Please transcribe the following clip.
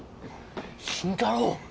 慎太郎